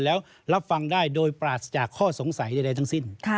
แล้วรับฟังได้โดยปราศจากข้อสงสัยใดทั้งสิ้น